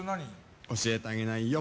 教えてあげないよ。